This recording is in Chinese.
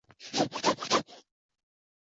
库尔迈因是德国巴伐利亚州的一个市镇。